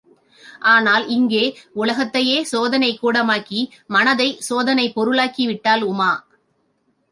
ஆனால் இங்கே உலகத்தையே சோதனைக் கூடமாக்கி, மனத்தைச் சோதனைப் பொருளாக்கி விட்டாள் உமா.